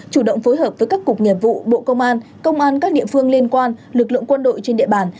chủ động phối hợp với các cục nghiệp vụ bộ công an công an các địa phương liên quan lực lượng quân đội trên địa bàn